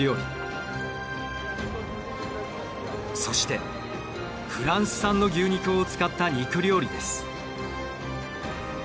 そしてフランス産の牛肉を使った肉料理です。